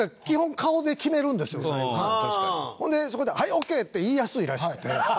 僕らほんでそこで「はい！オッケー」って言いやすいらしくて。